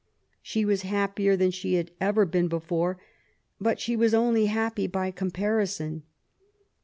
She was happier than she had ever been before, but she was only happy by comparison.